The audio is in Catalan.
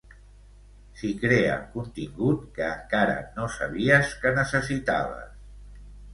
S'hi crea contingut que encara no sabies que necessitaves.